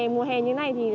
mùa hè như thế này